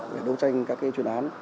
đấu tranh các chuyên án